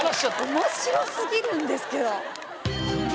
面白すぎるんですけど！